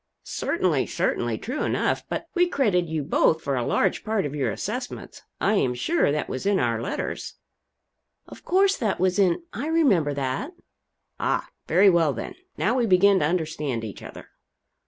"Certainly, certainly true enough but we credited you both for a large part of your assessments I am sure that was in our letters." "Of course that was in I remember that." "Ah, very well then. Now we begin to understand each other."